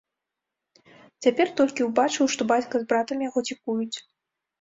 Цяпер толькі ўбачыў, што бацька з братам яго цікуюць.